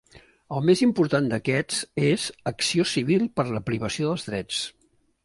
El més important d'aquests és: "Acció civil per la privació dels drets".